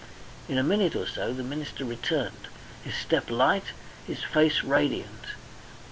In a minute or so the minister returned, his step light, his face radiant.